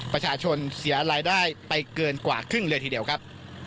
ประชาชนเสียรายได้ไปเกินกว่าครึ่งเลยทีเดียวครับ